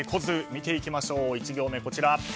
見ていきましょう、１行目。